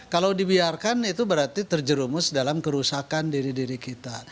kalau dibiarkan itu berarti terjerumus dalam kerusakan diri diri kita